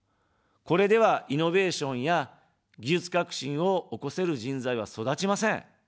これでは、イノベーションや技術革新を起こせる人材は育ちません。